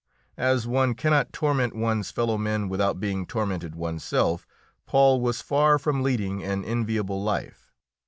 As one cannot torment one's fellowmen without being tormented oneself, Paul was far from leading an enviable life.